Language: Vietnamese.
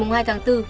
ngày hai tháng bốn